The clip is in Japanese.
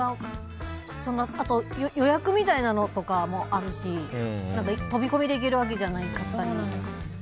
あと、予約みたいなのもあるし飛び込みできるわけじゃないし。